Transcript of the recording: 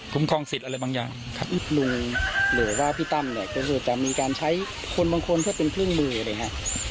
คุ้มครองสิทธิ์อะไรบางอย่างครับหรือว่าพี่ตั้มเนี้ยก็จะมีการใช้คนบางคนเพื่อเป็นเครื่องมืออะไรฮะ